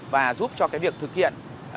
và giúp cho việc thực hiện